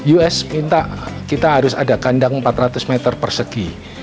us minta kita harus ada kandang empat ratus meter persegi